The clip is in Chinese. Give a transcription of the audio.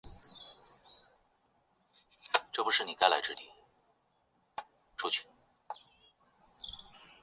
越南南部可以被再划分为东南部和湄公河三角洲两个地理区域。